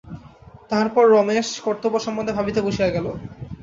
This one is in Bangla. তাহার পরে রমেশ কর্তব্য সম্বন্ধে ভাবিতে বসিয়া গেল।